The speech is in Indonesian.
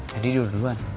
tadi dia udah duluan